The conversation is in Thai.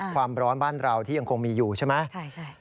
ความร้อนบ้านเราที่ยังคงมีอยู่ใช่ไหม